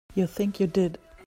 You think you did.